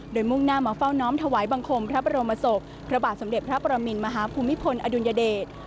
โดยมุ่งหน้ามาเฝ้าน้อมถวายบังคมพระบรมศพพระบาทสมเด็จพระประมินมหาภูมิพลอดุลยเดช